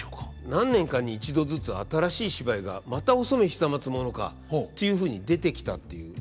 何年かに一度ずつ新しい芝居が「またお染久松物か」っていうふうに出てきたっていう。